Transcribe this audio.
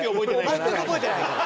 全く覚えてない。